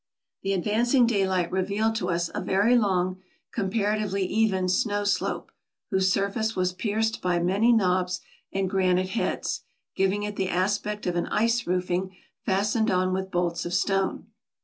The advancing daylight revealed to us a very long, com paratively even snow slope', whose surface was pierced by many knobs and granite heads, giving it the aspect of an ice roofing fastened on with bolts of stone.